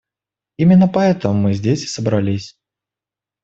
Именно поэтому мы здесь и собрались.